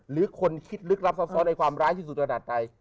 หรือคนคิดลึกลับซับซ้อนในความร้ายที่สุดขนาดใด